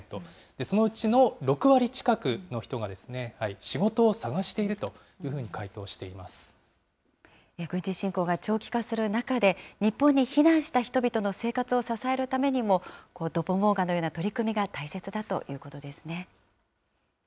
そのうちの６割近くの人が仕事を探しているというふうに回答して軍事侵攻が長期化する中で、日本に避難した人々の生活を支えるためにも、ドポモーガのような取り組みが大切だということですね。